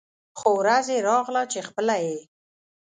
خو ورځ يې راغله چې خپله یې